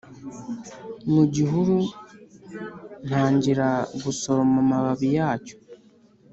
mugihuru ntangira gusoroma amababi yacyo